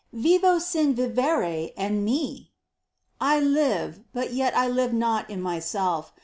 Vivo sin vivir en mi. I LIVE, but yet I live not in myself.